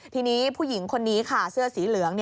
ทีนี้ผู้หญิงคนนี้ค่ะเสื้อสีเหลือง